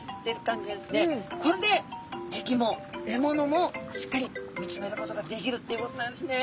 これで敵も獲物もしっかり見つめることができるっていうことなんですね。